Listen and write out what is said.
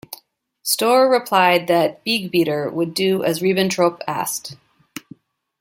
Stohrer replied that Beigbeder would do as Ribbentrop asked.